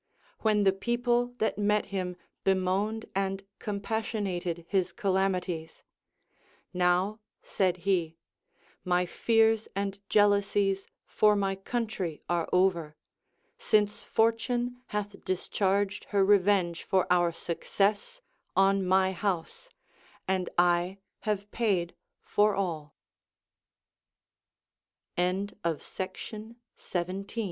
When the people that met him bemoaned and compassionated his calamities, Now, said he, my fears and jealousies for my country are over, since Fortune hath discharged her revenge for our success on my house, and I have